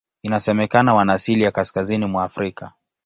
Inasemekana wana asili ya Kaskazini mwa Afrika.